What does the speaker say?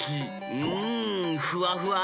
うんふわふわ！